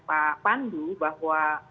pak pandu bahwa